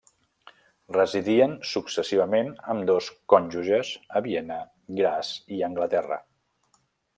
Residien successivament, ambdós conjugues a Viena, Graz i Anglaterra.